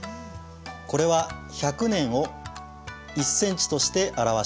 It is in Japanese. これは１００年を１センチとして表しています。